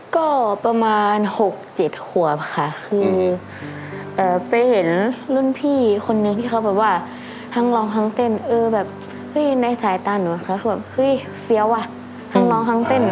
ก็ประมาณ๖๗ขวบค่ะคือไปเห็นรุ่นพี่คนนึงที่เขาแบบว่าทั้งร้องทั้งเต้นเออแบบเฮ้ยในสายตาหนูเขาแบบเฮ้ยเฟี้ยวว่ะทั้งร้องทั้งเต้น